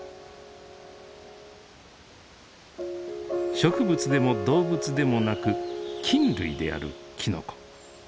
植物でも動物でもなく菌類であるきのこ。